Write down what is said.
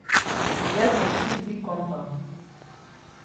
We get for sweep big compound.